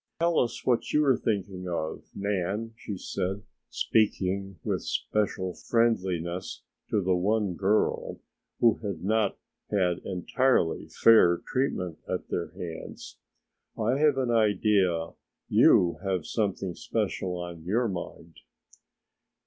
"Tell us what you are thinking of, Nan," she said, speaking with special friendliness to the one girl who had not had entirely fair treatment at their hands. "I have an idea you have something special on your mind."